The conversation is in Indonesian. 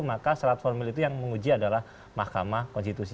maka syarat formil itu yang menguji adalah mahkamah konstitusi